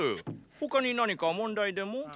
他に何か問題でも？